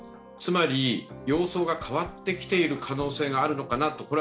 つまり様相が変わってきている可能性があるのかなと。